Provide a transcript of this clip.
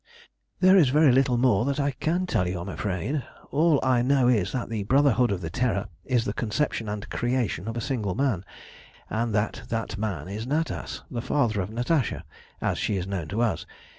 "There is very little more that I can tell you, I'm afraid. All I know is that the Brotherhood of the Terror is the conception and creation of a single man, and that that man is Natas, the father of Natasha, as she is known to us.